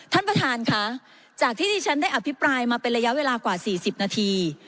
ท่านประธานค่ะจากที่ที่ฉันได้อภิปรายมาเป็นระยะเวลากว่า๔๐นาที